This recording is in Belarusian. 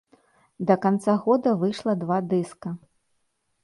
Да канца года выйшла два дыска.